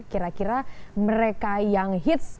kira kira mereka yang hits